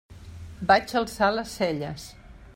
Vaig alçar les celles.